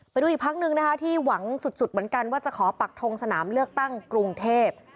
ไปดูอีกพักหนึ่งนะคะที่หวังสุดเหมือนกันว่าจะขอปักทงสนามเลือกตั้งกรุงเทพ